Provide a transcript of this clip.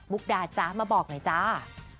บุ๊คดาห์จ๊ะมาบอกหน่อยจ๋า